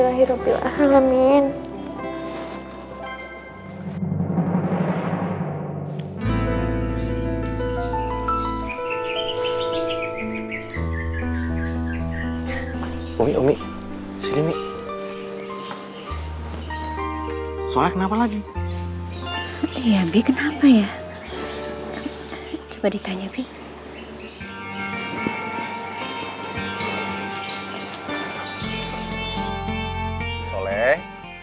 saya akan mendampingi soleh